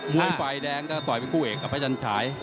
ฝ่ายแดงก็ต่อยเป็นคู่เอกกับพระจันฉาย